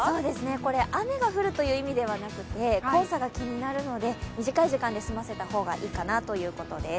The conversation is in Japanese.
これ雨が降るという意味ではなくて、黄砂が気になるので短い時間で済ませた方がいいかなということです。